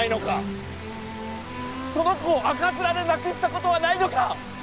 その子を赤面で亡くしたことはないのか！